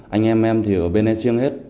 anh em em thì ở bên an siêng hết